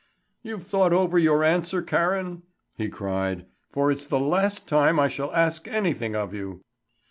"You've thought over your answer, Karen?" he cried. "For it's the last time I shall ask anything of you."